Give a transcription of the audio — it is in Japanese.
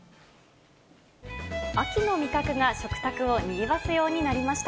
秋の味覚が食卓をにぎわすようになりました。